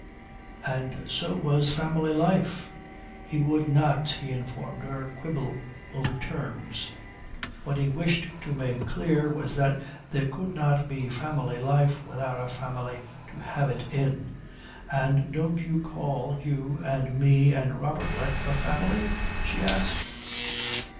And so was family life. He would not, he informed her, quibble over terms. What he wished to make clear was that there could not be family life without a family to have it in. "And don't you call you and me and Robertlet a family?" she asked.